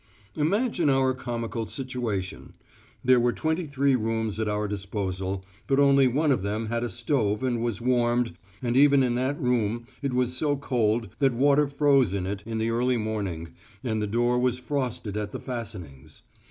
Imagine our comical situation. There were twenty three rooms at our disposal, but only one of them had a stove and was warmed, and even in that room it was so cold that water froze in it in the early morning and the door was frosted at the fastenings.